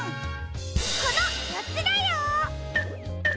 このよっつだよ！